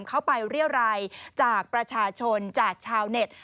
เข้าไปเรียรัยจากประชาชนจากชาวเน็ต